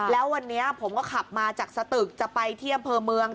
แล้ววันนี้ผมก็ขับมาจากสตึกจะไปที่อำเภอเมือง